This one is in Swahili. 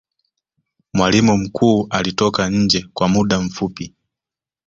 mwalimu mkuu alitoka nje kw muda mfupi